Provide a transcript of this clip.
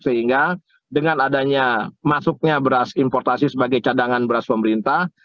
sehingga dengan adanya masuknya beras importasi sebagai cadangan beras pemerintah